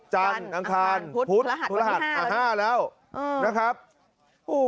จังอังคารพุธพระหัตถ์พระหัตถ์อ่าห้าแล้วอืมนะครับโอ้